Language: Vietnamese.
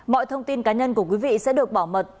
mọi thông tin cá nhân của quý vị sẽ được bảo mật